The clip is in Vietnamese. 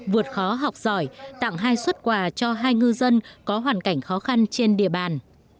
vượt khó học giỏi tặng hai xuất quà cho hai ngư dân có hoàn cảnh khó khăn trên địa bàn